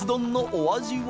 お味は？